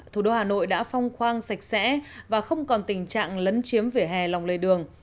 thủ đô hà nội đã phong khoang sạch sẽ và không còn tình trạng lấn chiếm vỉa hè lòng lề đường